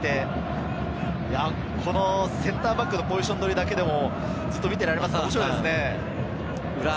センターバックのポジション取りだけでもずっと見ていられますね、面白いですね。